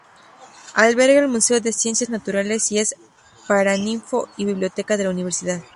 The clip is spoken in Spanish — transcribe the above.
Alberga el Museo de Ciencias Naturales y es Paraninfo y Biblioteca de la Universidad.